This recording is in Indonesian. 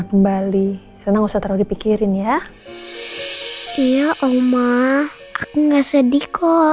kembali karena nggak usah terlalu dipikirin ya iya omah aku nggak sedih kok